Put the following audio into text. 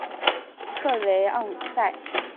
克雷昂塞。